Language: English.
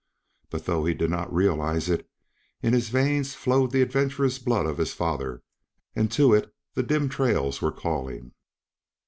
But though he did not realize it, in his veins flowed the adventurous blood of his father, and to it the dim trails were calling.